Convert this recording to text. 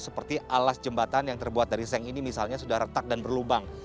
seperti alas jembatan yang terbuat dari seng ini misalnya sudah retak dan berlubang